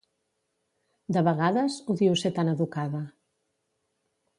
De vegades odio ser tan educada.